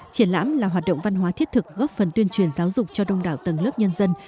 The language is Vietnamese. triển lãm là hoạt động văn hóa thiết thực góp phần tuyên truyền giáo dục cho đông đảo tầng lớp nhân dân